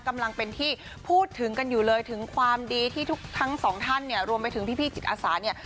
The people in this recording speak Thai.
กำลังเป็นที่พูดถึงกันอยู่เลยถึงความดีที่ทุกทั้งสองท่านเนี่ยรวมไปถึงพี่จิตอาสาเนี่ย